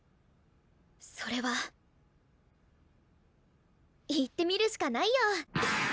それは行ってみるしかないよ。